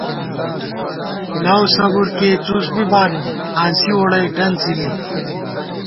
لَؤصبر کېئی څُسبی بالُوم، ہانسی ووڑَئی ڈنڅی می